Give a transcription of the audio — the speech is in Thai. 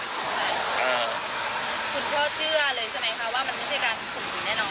คุณพ่อเชื่อเลยใช่ไหมคะว่ามันไม่ใช่การข่มขืนแน่นอน